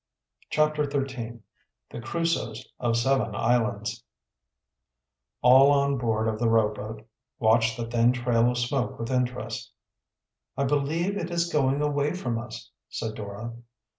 CHAPTER XIII THE CRUSOES OF SEVEN ISLANDS All on board of the rowboat watched the thin trail of smoke with interest. "I believe it is going away from us," said Dora.